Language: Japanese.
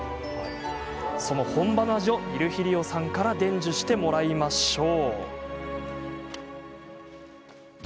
その本場の味をヴィルヒリオさんから伝授してもらいましょう。